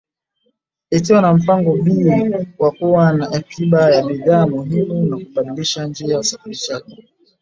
Ikiwa na mpango B wa kuwa na akiba ya bidhaa muhimu na kubadilisha njia usafarishaji bidhaa kupitia Tanzania